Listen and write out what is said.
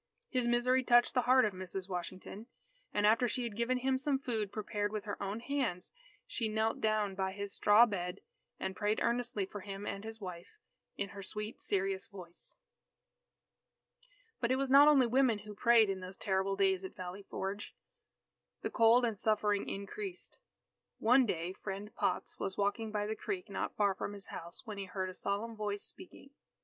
His misery touched the heart of Mrs. Washington, and after she had given him some food prepared with her own hands, she knelt down by his straw bed, and prayed earnestly for him and his wife, in her sweet serious voice. But it was not only women who prayed in those terrible days at Valley Forge. The cold and suffering increased. One day Friend Potts was walking by the creek not far from his house, when he heard a solemn voice speaking.